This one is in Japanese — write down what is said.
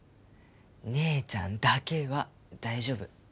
姉ちゃんだけは大丈夫